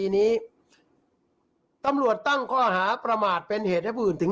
นี่ค่ะถนายเดชาออกมาไลฟ์เอาไว้แบบนี้